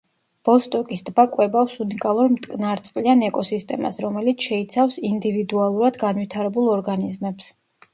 ვოსტოკის ტბა კვებავს უნიკალურ მტკნარწყლიან ეკოსისტემას, რომელიც შეიცავს ინდივიდუალურად განვითარებულ ორგანიზმებს.